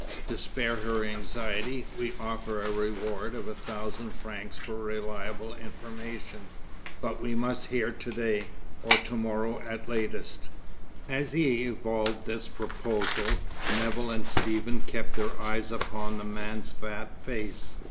To spare her anxiety, we offer a reward of a thousand francs for reliable information. But we must hear to day, or to morrow at latest." As he evolved this proposal, Nevill and Stephen kept their eyes upon the man's fat face.